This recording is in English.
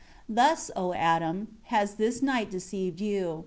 10 Thus, O Adam, has this night deceived you.